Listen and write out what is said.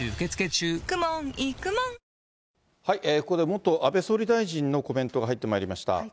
ここで元安倍総理大臣のコメントが入ってまいりました。